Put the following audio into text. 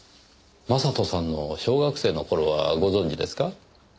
将人さんの小学生の頃はご存じですか？